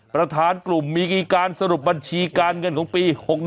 ประธานกลุ่มมีการสรุปบัญชีการเงินของปี๖๑